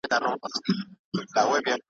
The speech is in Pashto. له ناکامه هري خواته تاوېدلم ,